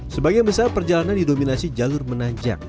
sebagian besar perjalanan didominasi jalur menanjak